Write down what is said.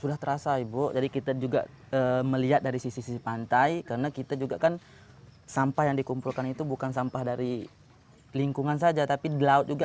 sudah terasa ibu jadi kita juga melihat dari sisi sisi pantai karena kita juga kan sampah yang dikumpulkan itu bukan sampah dari lingkungan saja tapi di laut juga